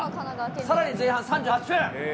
さらに前半３８分。